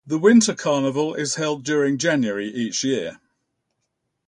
The Winter Carnival is held during January each year.